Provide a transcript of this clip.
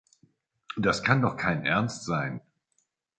Das kann doch kein Ernst sein!